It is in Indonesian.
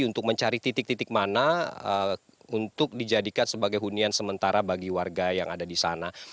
untuk mencari titik titik mana untuk dijadikan sebagai hunian sementara bagi warga yang ada di sana